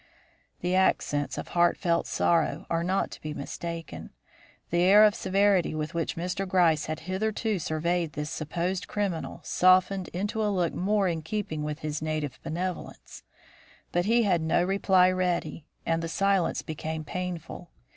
The accents of heartfelt sorrow are not to be mistaken. The air of severity with which Mr. Gryce had hitherto surveyed this supposed criminal softened into a look more in keeping with his native benevolence, but he had no reply ready, and the silence became painful.